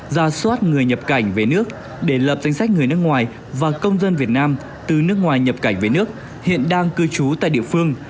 ra soát người nhập cảnh về nước để lập danh sách người nước ngoài và công dân việt nam từ nước ngoài nhập cảnh về nước hiện đang cư trú tại địa phương